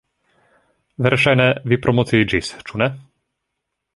Verŝajne, vi promociiĝis, ĉu ne?